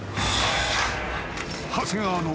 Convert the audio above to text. ［長谷川の］